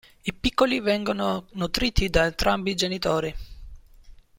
I piccoli vengono nutriti da entrambi i genitori.